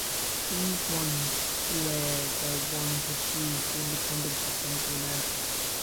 These ones where the ones achieve the independence of Central America.